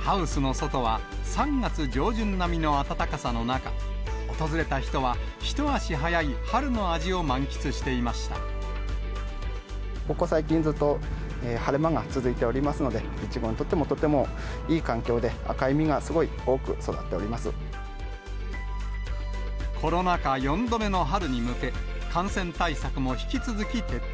ハウスの外は３月上旬並みの暖かさの中、訪れた人は一足早いここ最近、ずっと晴れ間が続いておりますので、いちごにとっても、とてもいい環境で、コロナ禍４度目の春に向け、感染対策も引き続き徹底。